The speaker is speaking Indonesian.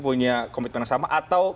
punya komitmen yang sama atau